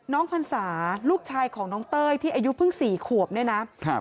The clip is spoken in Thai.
พรรษาลูกชายของน้องเต้ยที่อายุเพิ่ง๔ขวบเนี่ยนะครับ